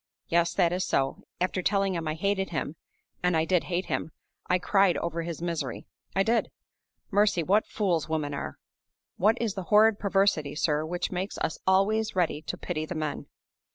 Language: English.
Yes, that is so. After telling him I hated him (and I did hate him), I cried over his misery; I did! Mercy, what fools women are! What is the horrid perversity, sir, which makes us always ready to pity the men?